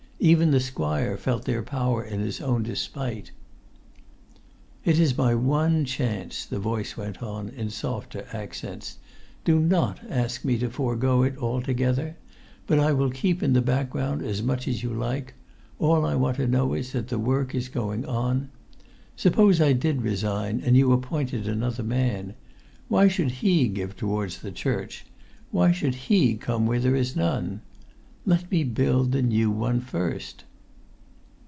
Even the squire felt their power in his own despite. "It is my one chance!" the voice went on in softer accents. "Do not ask me to forego it altogether; but I will keep in the background as much as you like; all I want to know is that the work is going on. Suppose I did resign, and you appointed another man. Why should he give towards the church? Why should he come where there is none? Let me build the new one first!"